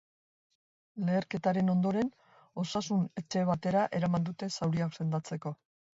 Leherketaren ondoren, osasun-etxe batera eraman dute zauriak sendatzeko.